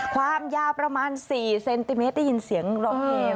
ความยาวประมาณ๔เซนติเมตรได้ยินเสียงร้องเพลง